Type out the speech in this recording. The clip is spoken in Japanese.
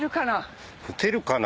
打てるかな？